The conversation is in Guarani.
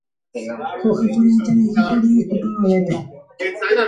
Ho'aporãitereíkuri opavavépe.